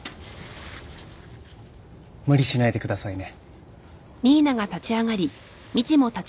無理しないでくださいね。